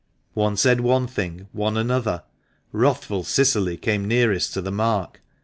One said one thing, one another. Wrathful Cicily came nearest to the mark.